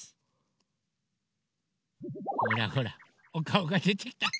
ほらほらおかおがでてきた！